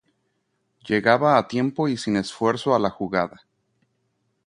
Llegaba a tiempo y sin esfuerzo a la jugada.